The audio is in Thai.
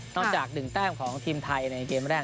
นอกจากหนึ่งแทมพ์ของทีมไทยในเกมแรก